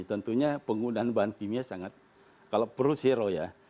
tentunya penggunaan bahan kimia sangat kalau perlu zero ya